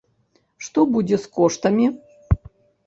Што будзе з коштамі?